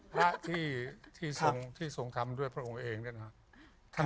พระที่ทรงที่ทรงทำด้วยพระองค์เองเนี่ยนะครับ